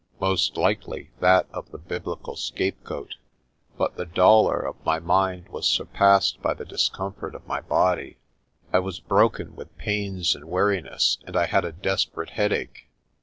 Most likely that of the Biblical scapegoat. But the dolour of my mind was surpassed by the discomfort of my body. I was broken with pains and weariness, and I had a desperate headache.